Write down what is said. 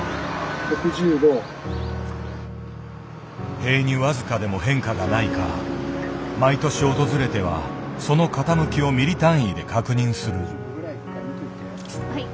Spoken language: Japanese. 塀に僅かでも変化がないか毎年訪れてはその傾きをミリ単位で確認する。